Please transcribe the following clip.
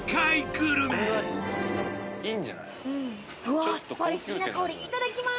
うわスパイシーな香りいただきます！